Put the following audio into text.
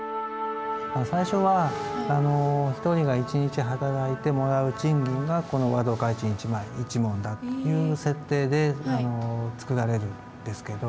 最初は一人が一日働いてもらう賃金がこの和同開珎１枚１文だっていう設定でつくられるんですけど。